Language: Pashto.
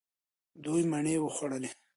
دوی مڼې وخوړلې.